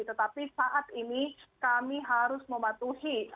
tetapi saat ini kami harus mematuhi